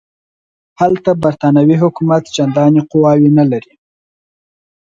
هلته برټانوي حکومت چنداني قواوې نه لري.